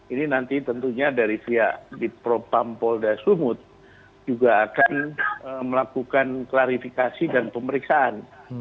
ini nanti tentunya dari pihak di propam polda sumut juga akan melakukan klarifikasi dan pemeriksaan